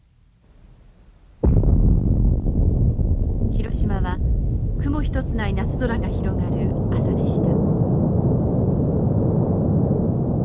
広島は雲一つない夏空が広がる朝でした。